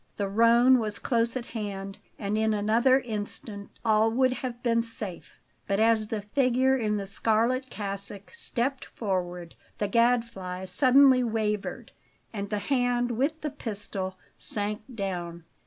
The roan was close at hand, and in another instant all would have been safe; but as the figure in the scarlet cassock stepped forward, the Gadfly suddenly wavered and the hand with the pistol sank down.